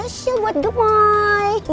oh ya baik pak